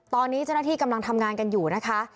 ตอนนี้เจ้าหน้าที่กำลังทำงานกันอยู่นะคะ